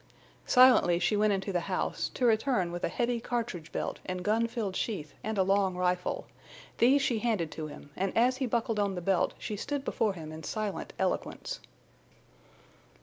Silently she went into the house, to return with a heavy cartridge belt and gun filled sheath and a long rifle; these she handed to him, and as he buckled on the belt she stood before him in silent eloquence.